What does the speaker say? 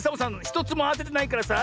ひとつもあててないからさ